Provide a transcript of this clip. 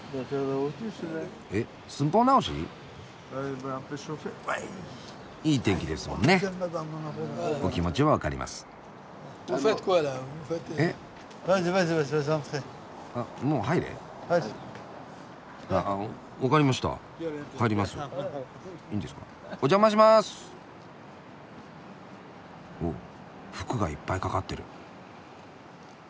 おっ服がいっぱい掛かってる。